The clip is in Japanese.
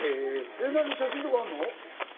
写真とかあるの？